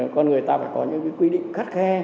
con người ta phải có những quy định khắt khe